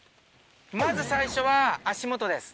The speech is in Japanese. まず最初は足元です。